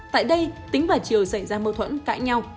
tại đây tính và triều xảy ra mâu thuẫn cãi nhau